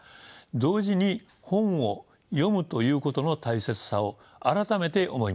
同時に本を読むということの大切さを改めて思いました。